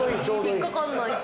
引っ掛かんないし。